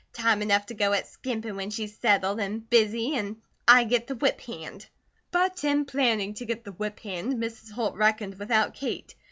"Time enough to go at skimpin' when she's settled, and busy, an' I get the whip hand." But in planning to get the "whip hand" Mrs. Holt reckoned without Kate.